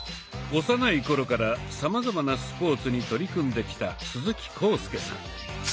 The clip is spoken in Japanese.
幼い頃からさまざまなスポーツに取り組んできた鈴木浩介さん。